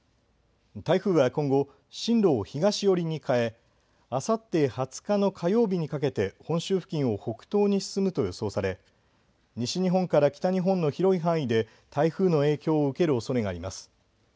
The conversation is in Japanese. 台風は今後、進路を東寄りに変えあさって２０日の火曜日にかけて本州付近を北東に進むと予想され、西日本から北日本の広い範囲で台風の影響を受けるおそれがあります。